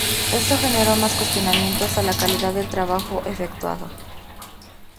Esto generó más cuestionamientos a la calidad del trabajo efectuado.